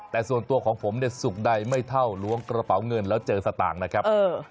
แต่ส่วนตัวของผมเนี่ยสุกใดไม่เท่าล้วงกระเป๋าเงินแล้วเจอสตางค์นะครับ